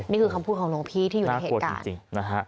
นี่คือคำพูดของลงพีที่อยู่ในเหตุการณ์นะฮะน่ากลัวจริง